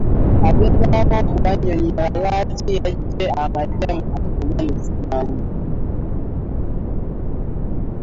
Agezaako kubannyonnyola lwaki yaggye amagye mu Afghanistan